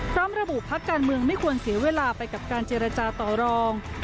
พร้อมระบุพักการเมืองไม่ควรเสียเวลาไปกับการเจรจาต่อรอง